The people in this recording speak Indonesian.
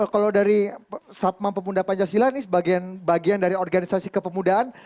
kalau dari satmam pemuda pancasila ini bagian dari organisasi kepemudaan